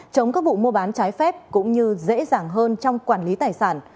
chống các vụ mua bán trái phép cũng như dễ dàng hơn trong quản lý tài sản